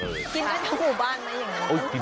ที่นี่มันเสาครับ